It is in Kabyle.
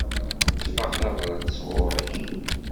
Ṭṭfeɣ tabrat sɣur-k.